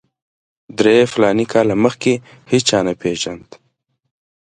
درې فلاني کاله مخکې هېچا نه پېژاند.